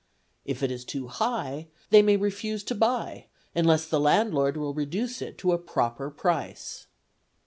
If it is too high, they may refuse to buy unless the landlord will reduce it to a proper price.